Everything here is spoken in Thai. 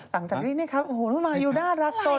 หลังจากนี้นี่ครับโอ้โหน้องมายูน่ารักสด